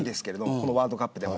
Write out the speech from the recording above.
このワールドカップでも。